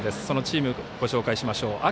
そのチームをご紹介しましょう。